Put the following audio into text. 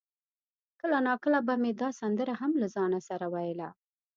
کله ناکله به مې دا سندره هم له ځانه سره ویله.